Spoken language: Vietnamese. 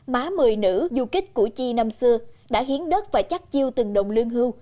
má mười nữ du kích của chi năm xưa đã hiến đất và chắc chiêu từng đồng lương hưu